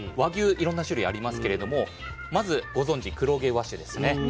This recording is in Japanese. いろんな種類ありますけれどもまずご存じ黒毛和種ですね。